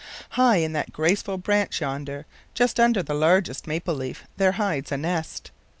I. High in that graceful branch yonder, just under the largest maple leaf, there hides a nest.